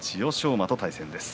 馬と対戦です。